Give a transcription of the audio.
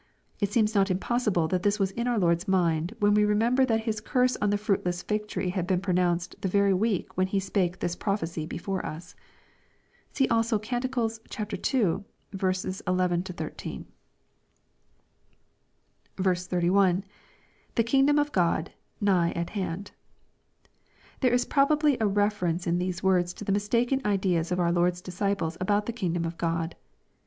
It seems not impos sible that this was in our Lord's mind, when we remember that His curse on the fruitless fig tree had been pronounced the very week when He spake this prophecy before us. See also Canticles ii. 11 13. 31. — [ITie kingdom of God...nigh at hand.] There is probably a re ference in these words to the mistaken ideiis of our Lord's disciples about the kingdom of God.